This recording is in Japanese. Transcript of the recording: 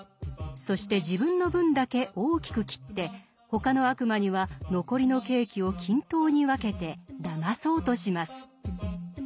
そして自分の分だけ大きく切って他の悪魔には残りのケーキを均等に分けてだまそうとします。